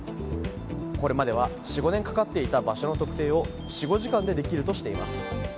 これまでは４５年かかっていた場所の特定を４５時間でできるとしています。